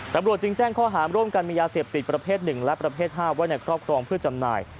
ตำรวจจึงแจ้งข้อหารร่วมกันมียาเสพติดประเภท๑และประเภท๕ไว้ในครอบครองเพื่อจำหน่าย